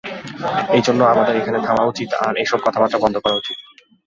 এজন্য আমাদের এখানেই থামা উচিৎ আর এসব কথাবার্তা বন্ধ করা উচিৎ।